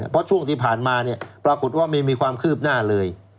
เพราะช่วงที่ผ่านมาเนี่ยปรากฏว่าไม่มีความคืบหน้าเลย